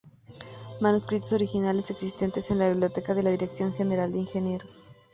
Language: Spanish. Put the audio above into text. Manuscritos originales existentes en la Biblioteca de la Dirección General de Ingenieros.